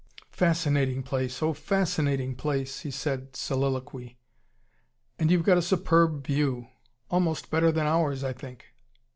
"Fascinating place! Oh, fascinating place!" he said, soliloquy. "And you've got a superb view. Almost better than ours, I think.